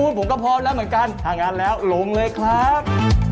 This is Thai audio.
ผมก็พร้อมแล้วเหมือนกันถ้างั้นแล้วหลงเลยครับ